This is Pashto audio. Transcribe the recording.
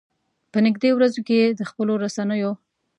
په نږدې ورځو کې یې د خپلو رسنيو.